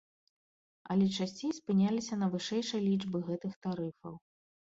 Але часцей спыняліся на вышэйшай лічбе гэтых тарыфаў.